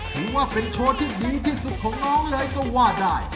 ถือว่าเป็นโชว์ที่ดีที่สุดของน้องเลยก็ว่าได้